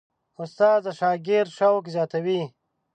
استاد د شاګرد شوق زیاتوي.